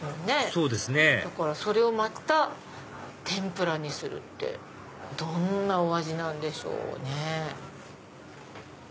そうですねそれをまた天ぷらにするってどんなお味なんでしょうね。